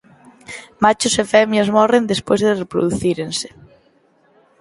Machos e femias morren despois de reproducírense.